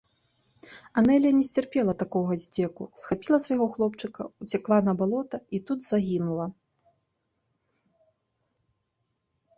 Анэля не сцярпела такога здзеку, схапіла свайго хлопчыка, уцякла на балота і тут загінула.